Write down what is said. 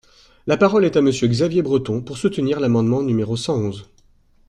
La parole est à Monsieur Xavier Breton, pour soutenir l’amendement numéro cent onze.